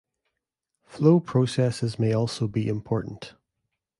Flow processes may also be important.